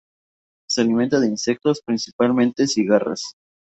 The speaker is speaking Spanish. Se alimenta de insectos, principalmente cigarras.